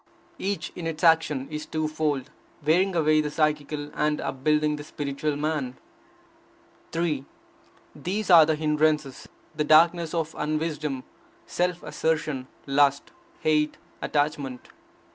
Each, in its action, is two fold, wearing away the psychical, and upbuilding the spiritual man. 3. These are the hindrances: the darkness of unwisdom, self assertion, lust hate, attachment.